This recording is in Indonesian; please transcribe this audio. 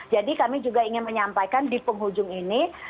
jadi kami juga ingin menyampaikan di penghujung ini